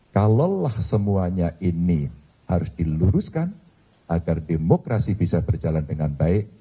kalaulah semuanya ini harus diluruskan agar demokrasi bisa berjalan dengan baik